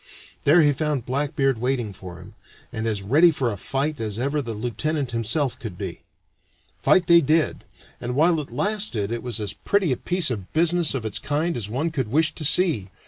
There he found Blackbeard waiting for him, and as ready for a fight as ever the lieutenant himself could be. Fight they did, and while it lasted it was as pretty a piece of business of its kind as one could wish to see.